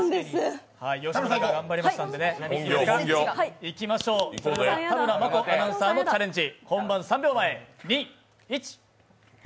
吉村さんが頑張りましたのでそれでは田村真子アナウンサーのチャレンジ。